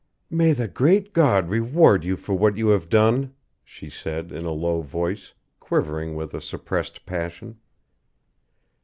"May the great God reward you for what you have done," she said, in a low voice, quivering with a suppressed passion.